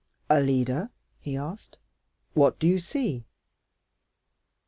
"Alida," he asked, "what do you see?"